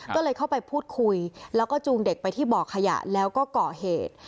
ก็เลยเข้าไปพูดคุยแล้วก็จูงเด็กไปที่บ่อขยะแล้วก็ก่อเหตุ